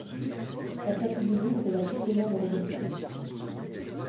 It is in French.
La statue de Louvre est la plus célèbre de ces copies.